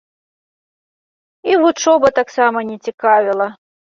І вучоба таксама не цікавіла.